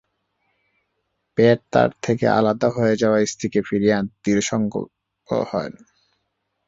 প্যাট তার থেকে আলাদা হয়ে যাওয়া স্ত্রীকে ফিরিয়ে আনতে দৃঢ়-সংকল্প হন।